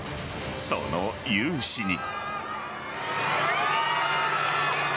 その勇姿に。